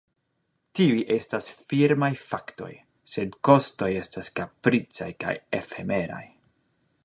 Tiuj estas firmaj faktoj, sed kostoj estas kapricaj kaj efemeraj.